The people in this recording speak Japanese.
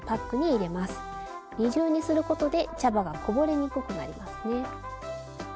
二重にすることで茶葉がこぼれにくくなりますね。